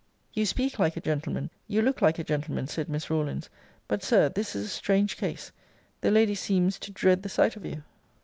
You speak like a gentleman; you look like a gentleman, said Miss Rawlins but, Sir, this is a strange case; the lady sees to dread the sight of you.